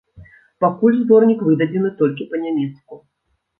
Пакуль зборнік выдадзены толькі па-нямецку.